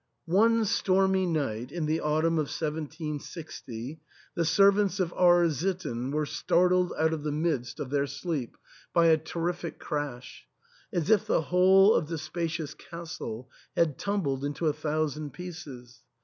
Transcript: One stormy night in the autumn of 1760 the servants of R — sitten were startled out of the midst of their THE ENTAIL. 275 sleep by a terrific crash, as if the whole of the spacious castle had tumbled into a thousand pieces.